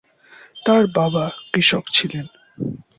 তাঁর বাবা কৃষক ছিলেন।